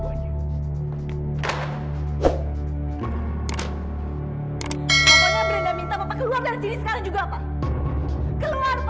pokoknya brenda minta papa keluar dari sini sekarang juga pak